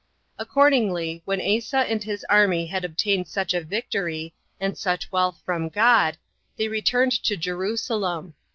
Accordingly, when Asa and his army had obtained such a victory, and such wealth from God, they returned to Jerusalem.